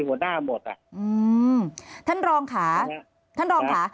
หัวหน้าหมดอ่ะอืมท่านรองค่ะท่านรองค่ะ